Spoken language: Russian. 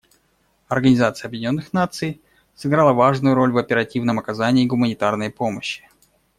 Организация Объединенных Наций сыграла важную роль в оперативном оказании гуманитарной помощи.